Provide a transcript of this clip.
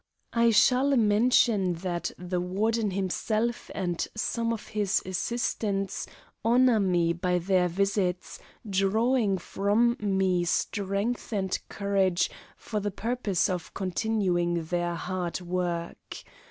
I shall mention that the Warden himself and some of his assistants honour me by their visits, drawing from me strength and courage for the purpose of continuing their hard work.